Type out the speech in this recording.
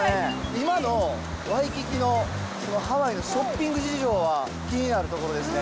今のワイキキのハワイのショッピング事情は気になるところですね